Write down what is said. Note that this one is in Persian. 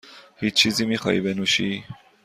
هیچ چیزی میخواهی بنوشی؟